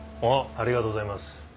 ありがとうございます。